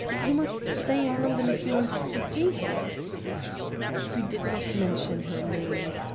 You must stay in London if you want to see her.' He did not mention her name.